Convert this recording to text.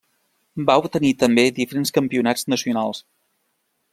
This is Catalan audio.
Va obtenir també diferents campionats nacionals.